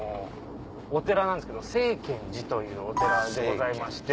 お寺なんですけど清見寺というお寺でございまして。